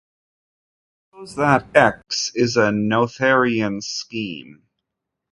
Suppose that "X" is a Noetherian scheme.